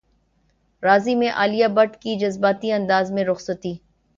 راضی میں عالیہ بھٹ کی جذباتی انداز میں رخصتی